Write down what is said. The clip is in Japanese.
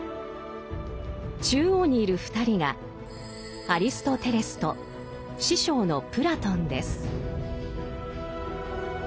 中央にいる２人がアリストテレスと師匠のプラトンです。